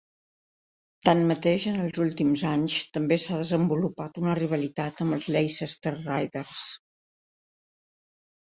Tanmateix, en els últims anys també s'ha desenvolupat una rivalitat amb els Leicester Riders.